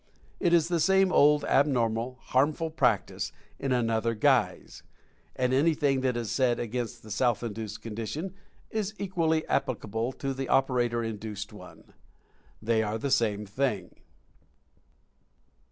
It is the same old abnormal, harmful practice, in another guise. And anything that is said against the self induced condi tion is equally applicable to the operator induced one. They are the same thing!